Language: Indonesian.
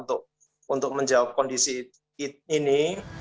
untuk menjawab kondisi ini